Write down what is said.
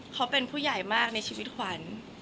เขาเป็นผู้ใหญ่มากในชีวิตขวัญ